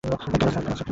কেন, স্যার?